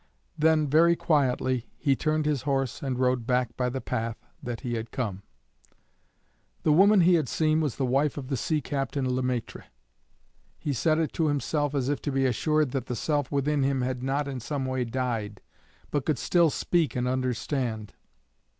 Then, very quietly, he turned his horse and rode back by the path that he had come. The woman he had seen was the wife of the sea captain Le Maître. He said it to himself as if to be assured that the self within him had not in some way died, but could still speak and understand.